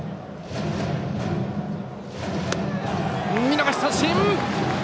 見逃し三振！